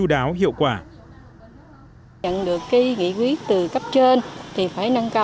báo hiệu quả